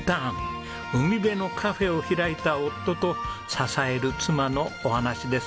海辺のカフェを開いた夫と支える妻のお話です。